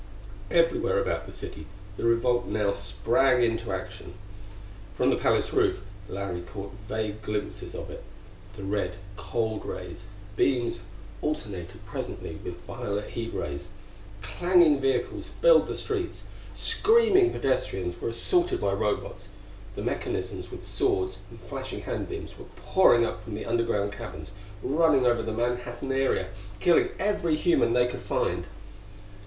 Everywhere about the city the revolt now sprang into action. From the palace roof Larry caught vague glimpses of it; the red cold rays, beams alternated presently with the violet heat rays; clanging vehicles filled the streets; screaming pedestrians were assaulted by Robots; the mechanisms with swords and flashing hand beams were pouring up from the underground caverns, running over the Manhattan area, killing every human they could find.